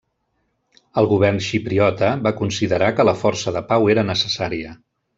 El govern xipriota va considerar que la força de pau era necessària.